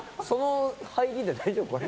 その入りで大丈夫？